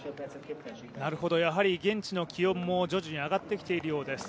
やはり現地の気温も徐々に上がってきているようです。